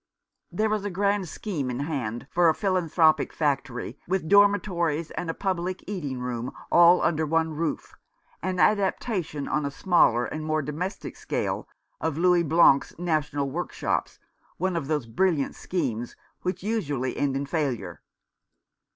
There was a grand scheme in hand for a philanthropic factory, with dormitories and a public eating room, all under one roof — an adaptation on a smaller and more domestic scale of Louis Blanc's National Workshops, one of those brilliant schemes Which usually end in failure.